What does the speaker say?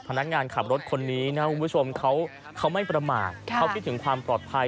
พนักงานขับรถคนนี้นะครับคุณผู้ชมเขาเขาไม่ประมาณครับเขาพิถึงความปลอดภัย